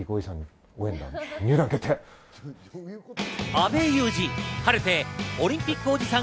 阿部祐二、晴れてオリンピックおじさん